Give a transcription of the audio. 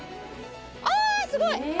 あすごい！